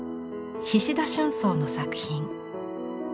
菱田春草の作品。